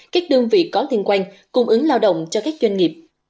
các đơn vị có liên quan cung ứng lao động cho các doanh nghiệp